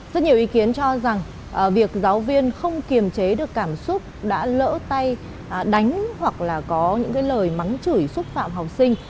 rất nhiều ý kiến cho rằng việc giáo viên không kiềm chế được cảm xúc đã lỡ tay đánh hoặc là có những lời mắng chửi xúc phạm học sinh